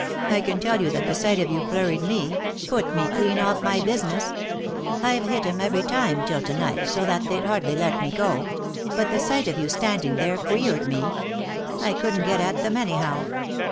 I can tell you that the sight of you flurried me — put me clean off my business. I've hit 'em every time till to night so that they'd hardly let me go ; but the sight of you standing there queered me ; I couldn't get at them anyhow.